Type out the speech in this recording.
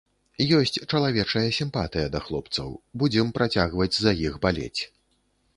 Ёсць чалавечая сімпатыя да хлопцаў, будзем працягваць за іх балець.